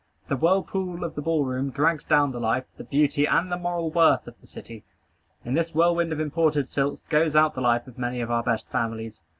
The whirlpool of the ball room drags down the life, the beauty, and the moral worth of the city. In this whirlwind of imported silks goes out the life of many of our best families.